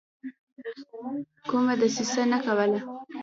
کومه دسیسه نه کوله.